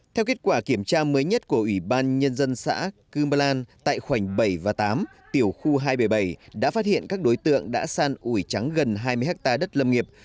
theo kết quả kiểm tra mới nhất của ủy ban nhân dân xã cư mơ lan tại khoảnh bảy và tám tiểu khu hai trăm bảy mươi bảy đã phát hiện các đối tượng đã san ủi trắng gần hai mươi hectare đất lâm nghiệp